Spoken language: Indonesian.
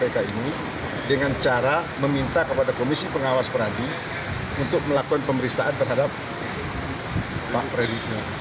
kami meminta komisi pengawas peradi untuk melakukan pemeriksaan terhadap pak fredrich